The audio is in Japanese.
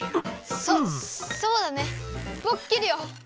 そそうだねぼく切るよ！